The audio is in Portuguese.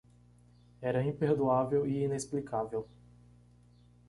Era imperdoável e inexplicável.